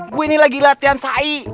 gue ini lagi latihan saik